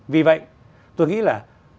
vì vậy tôi nghĩ là